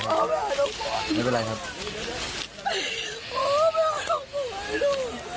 มันไม่มีอะไร